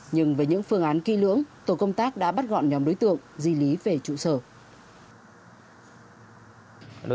nhưng với những phương án kỹ lưỡng tổ công tác đã bắt gọn nhóm đối tượng di lý về trụ sở